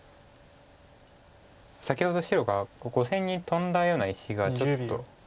先ほど白が５線にトンだような石がちょっと。